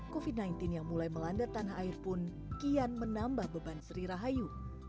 covid sembilan belas yang mulai melanda tanah air pun kian menambah beban sri rahayu